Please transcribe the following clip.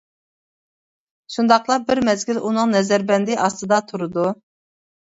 شۇنداقلا بىر مەزگىل ئۇنىڭ نەزەربەندى ئاستىدا تۇرىدۇ.